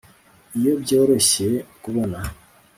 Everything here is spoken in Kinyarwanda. iyo byoroshye kubona